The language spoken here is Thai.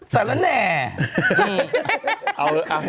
สาระแน่